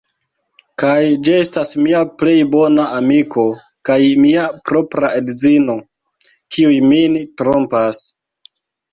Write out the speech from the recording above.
Kaj ĝi estas mia plej bona amiko kaj mia propra edzino, kiuj min trompas!